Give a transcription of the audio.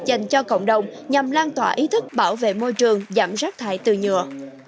dành cho cộng đồng nhằm lan tỏa ý thức bảo vệ môi trường giảm rác thải từ nhựa